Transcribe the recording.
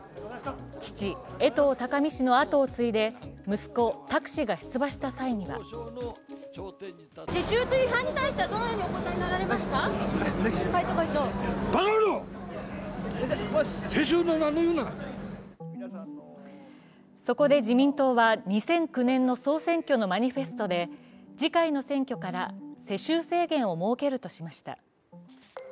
父・江藤隆美氏のあとを継いで息子・拓氏が出馬した際にはそこで自民党は２００９年の総選挙のマニフェストで次回の選挙から、世襲制限を設けるとしました。